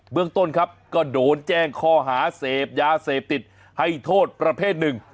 เมืองต้นครับก็โดนแจ้งข้อหาเสพยาเสพติดให้โทษประเภทหนึ่ง